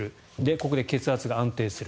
ここで血圧が安定する。